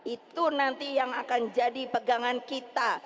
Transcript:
itu nanti yang akan jadi pegangan kita